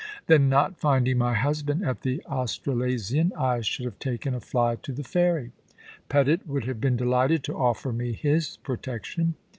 'Then, not finding my husband at the Australasian, I should have taken a fly to the ferry. Pettit would have been delighted to offer me his protection.